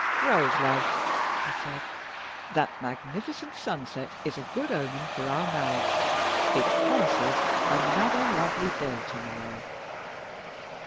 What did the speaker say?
"Rose, love," he said, "that magnificent sunset is a good omen for our marriage; it promises another lovely day to morrow."